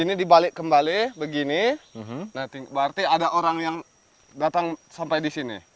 ini dibalik kembali begini berarti ada orang yang datang sampai di sini